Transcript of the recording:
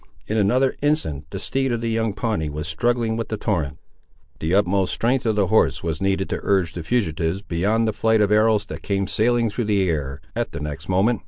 In another instant the steed of the young Pawnee was struggling with the torrent. The utmost strength of the horse was needed to urge the fugitives, beyond the flight of arrows that came sailing through the air, at the next moment.